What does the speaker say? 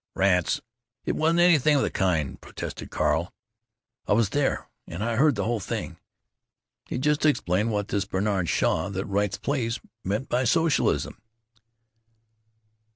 "Rats! It wasn't anything of the kind," protested Carl. "I was there and I heard the whole thing. He just explained what this Bernard Shaw that writes plays meant by socialism."